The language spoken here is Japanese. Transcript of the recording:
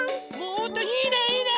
おっといいねいいね！